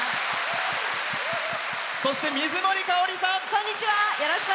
そして、水森かおりさん。